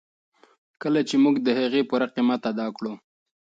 کله چې موږ د هغې پوره قیمت ادا کړو.